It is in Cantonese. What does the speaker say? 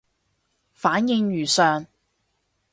反應如上